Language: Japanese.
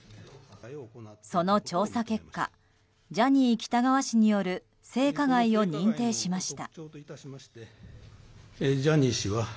その調査結果ジャニー喜多川氏による性加害を認定しました。